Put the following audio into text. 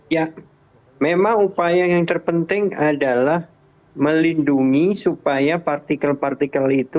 ya memang upaya yang terpenting adalah melindungi supaya partikel partikel itu